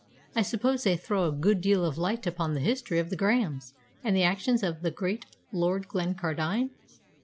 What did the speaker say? "I suppose they throw a good deal of light upon the history of the Grahams and the actions of the great Lord Glencardine?"